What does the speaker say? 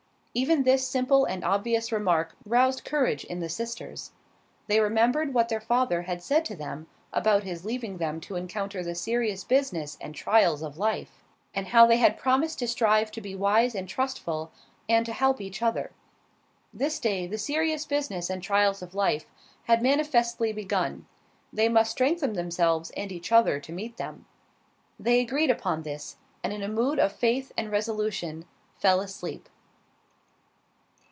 Even this simple and obvious remark roused courage in the sisters. They remembered what their father had said to them about his leaving them to encounter the serious business and trials of life, and how they had promised to strive to be wise and trustful, and to help each other. This day the serious business and trials of life had manifestly begun: they must strengthen themselves and each other to meet them. They agreed upon this, and in a mood of faith and resolution fell asleep.